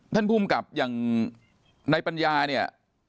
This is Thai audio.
ท่านภูมิกับอย่างในปัญญาเนี่ย